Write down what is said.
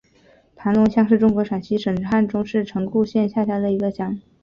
盘龙乡是中国陕西省汉中市城固县下辖的一个乡。